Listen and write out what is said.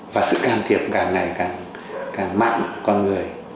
và sự can thiệp càng ngày càng mạnh của con người